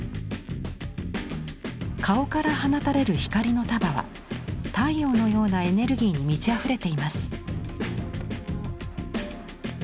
顔から放たれる光の束は太陽のようなエネルギーに満ちあふれています。